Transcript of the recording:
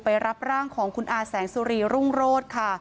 รับร่างของคุณอาแสงสุรีรุ่งโรธค่ะ